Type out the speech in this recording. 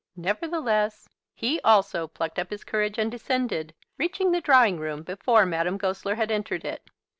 Nevertheless, he also plucked up his courage and descended, reaching the drawing room before Madame Goesler had entered it.